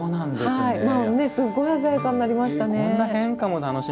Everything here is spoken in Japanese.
すごい鮮やかになりましたね。